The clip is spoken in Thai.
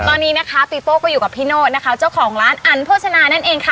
ตอนนี้นะคะปีโป้ก็อยู่กับพี่โนธนะคะเจ้าของร้านอันโภชนานั่นเองค่ะ